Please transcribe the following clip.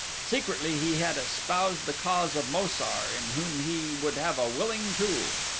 Secretly he had espoused the cause of Mo sar, in whom he would have a willing tool.